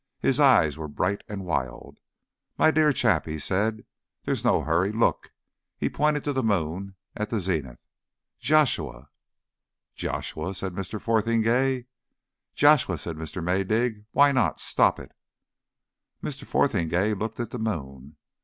His eyes were bright and wild. "My dear chap," he said, "there's no hurry. Look" he pointed to the moon at the zenith "Joshua!" "Joshua?" said Mr. Fotheringay. "Joshua," said Mr. Maydig. "Why not? Stop it." Mr. Fotheringay looked at the moon.